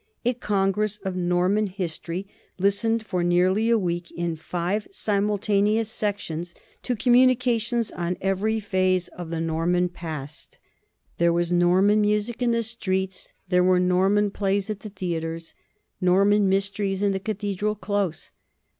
A congress of Norman history listened for nearly a week in five simultaneous sections to communications on every phase of the Nor 2 NORMANS IN EUROPEAN HISTORY man past. There was Norman music in the streets, there were Norman plays at the theatres, Norman mysteries in the cathedral close.